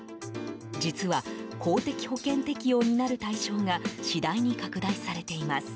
実は、公的保険適用になる対象が次第に拡大されています。